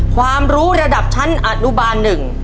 ความรู้ระดับชั้นอนุบาล๑